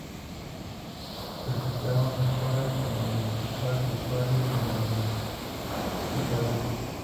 Presentaba mejoras en la interfaz de usuario y en la multitarea.